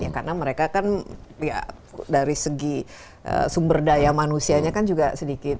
karena mereka kan dari segi sumber daya manusianya kan juga sedikit